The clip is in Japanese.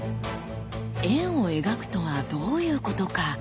円を描くとはどういうことか。